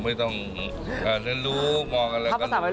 ไม่ต้องเล่นลูกมองอะไรก็ได้